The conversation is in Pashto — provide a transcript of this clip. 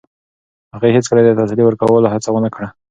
هغې هیڅکله د تسلي ورکولو هڅه ونه کړه.